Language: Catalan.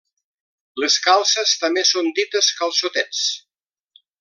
Les calces també són dites calçotets.